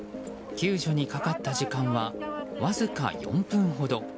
救助にかかった時間はわずか４分ほど。